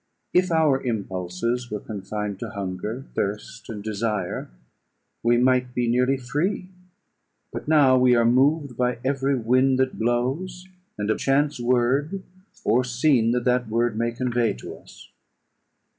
If our impulses were confined to hunger, thirst, and desire, we might be nearly free; but now we are moved by every wind that blows, and a chance word or scene that that word may convey to us.